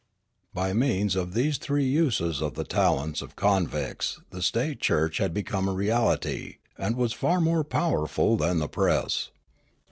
By means of these three uses of the talents of con victs the state church had become a reality and was far more powerful than the press.